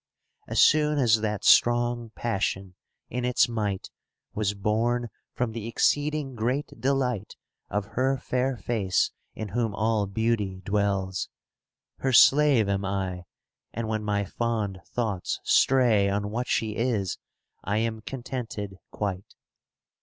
125 CANZONIERE As soon as that strong passion, in its might, *° Was born from the exceeding great delight Of her fair face in whom all beauty dwells. Her slave am I, and when my fond thoughts stray On what she is, I am contented quite.